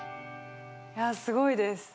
いやすごいです。